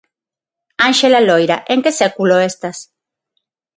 Ánxela Loira, en que século estas?